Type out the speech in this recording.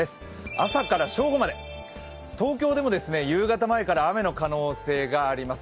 朝から正午まで東京でも夕方前から雨の可能性があります。